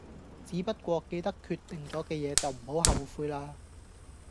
只不過記得決定左嘅野就唔好後悔啦